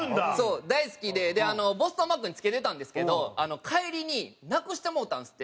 大好きでボストンバッグに付けてたんですけど帰りになくしてもうたんですってそれを。